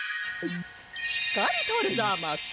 しっかりとるざます。